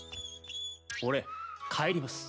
俺帰ります。